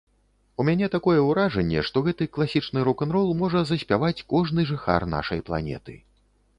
У мяне такое ўражанне, што гэты класічны рок-н-рол можа заспяваць кожны жыхар нашай планеты.